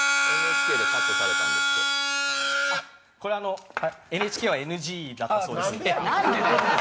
これ、ＮＨＫはＮＧだったそうです。